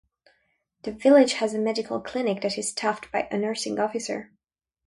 The village has a medical clinic that is staffed by a Nursing Officer.